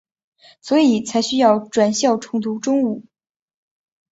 所以才需要转校重读中五。